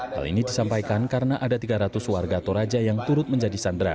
hal ini disampaikan karena ada tiga ratus warga toraja yang turut menjadi sandera